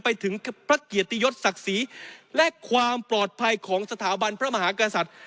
ไปถึงพระเกียรติยศศักดิ์ศรีและความปลอดภัยของสถาบันพระมหากษัตริย์